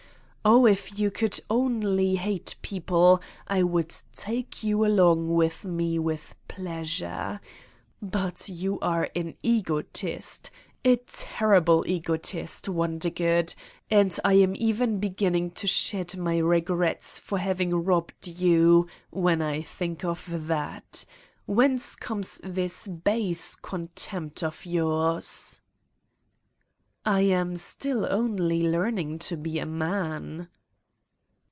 Oh, if you could only hate people I would take you along with me with pleasure. But you are an egotist, a terrible egotist, Wondergood, and I am even beginning to shed my regrets for 220 Satan's Diary having robbed you, when I think of that ! Whence comes this base contempt of yours V 9 "I am still only learning to be a man."